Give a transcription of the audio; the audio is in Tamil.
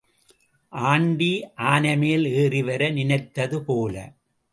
ஆண்டி ஆனைமேல் ஏறிவர நினைத்தது போல.